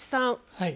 はい。